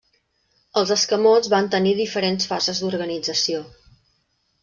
Els escamots van tenir diferents fases d'organització.